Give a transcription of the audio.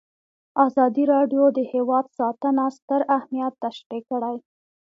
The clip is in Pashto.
ازادي راډیو د حیوان ساتنه ستر اهميت تشریح کړی.